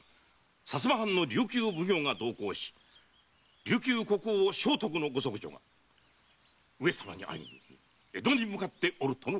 薩摩藩の琉球奉行が同行し琉球国王・尚徳のご息女が上様に会いに江戸に向かっておるとか。